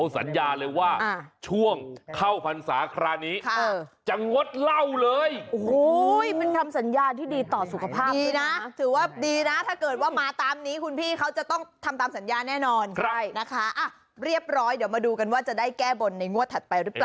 แต่ว่าแบบนี้มันดีนะค่ะ